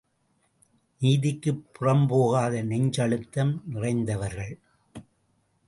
நீதிக்குப் புறம்போகாத நெஞ்சழுத்தம் நிறைந்தவர்கள்.